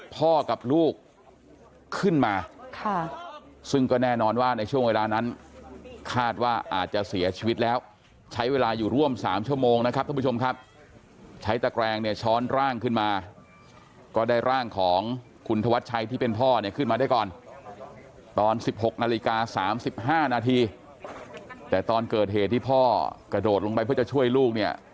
พ่อกับลูกขึ้นมาซึ่งก็แน่นอนว่าในช่วงเวลานั้นคาดว่าอาจจะเสียชีวิตแล้วใช้เวลาอยู่ร่วม๓ชั่วโมงนะครับท่านผู้ชมครับใช้ตะแกรงเนี่ยช้อนร่างขึ้นมาก็ได้ร่างของคุณธวัชชัยที่เป็นพ่อเนี่ยขึ้นมาได้ก่อนตอน๑๖นาฬิกา๓๕นาทีแต่ตอนเกิดเหตุที่พ่อกระโดดลงไปเพื่อจะช่วยลูกเนี่ย